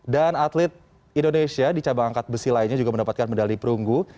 dan atlet indonesia di cabang angkat besi lainnya juga mendapatkan medali perunggu